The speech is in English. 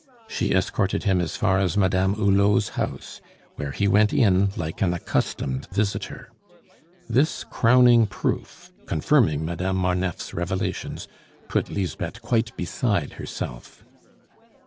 She escorted him as far as Madame Hulot's house, where he went in like an accustomed visitor. This crowning proof, confirming Madame Marneffe's revelations, put Lisbeth quite beside herself.